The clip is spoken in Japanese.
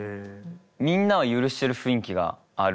みんなは許してる雰囲気がある。